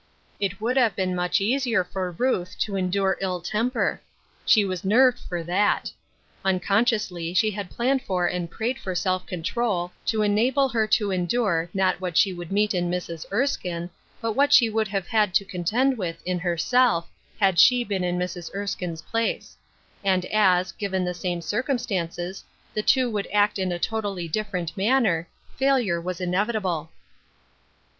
It would have been much easier for Ruth to endure ill temper. She was nerved for that. Unconsciously she had planned for and I xayed for self control, to enable her to endure, not what she would meet in Mrs. Erskine, but what she would have had to contend with in herself, had she been in Mrs. Erskine's place ; and as, given the same circumstances, the two would act in a totally different m ^nner, failure was inevitable.